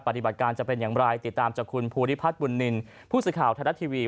ปฏิบัติการจะเป็นอย่างไรติดตามจากคุณภูริพัฒน์บุญนินผู้สื่อข่าวไทยรัฐทีวี